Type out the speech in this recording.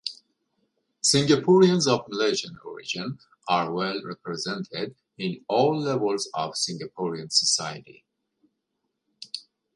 Singaporeans of Malaysian origin are well represented in all levels of Singaporean society.